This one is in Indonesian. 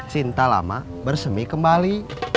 cinta lama bersemi kembali